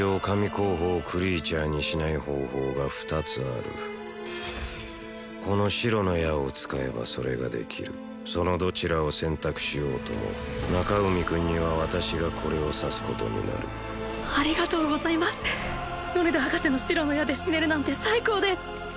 神候補をクリーチャーにしない方法が２つあるこの白の矢を使えばそれができるそのどちらを選択しようとも中海君には私がこれを刺すことになるありがとうございます米田博士の白の矢で死ねるなんて最高です